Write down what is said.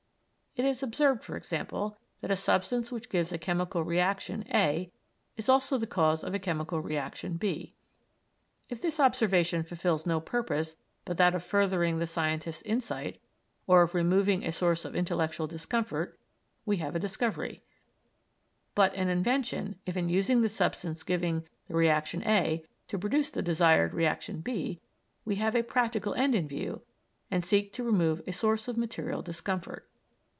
It is observed, for example, that a substance which gives a chemical reaction A is also the cause of a chemical reaction B. If this observation fulfils no purpose but that of furthering the scientist's insight, or of removing a source of intellectual discomfort, we have a discovery; but an invention, if in using the substance giving the reaction A to produce the desired reaction B, we have a practical end in view, and seek to remove a source of material discomfort.